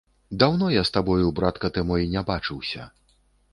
Даўно я з табою, братка ты мой, не бачыўся.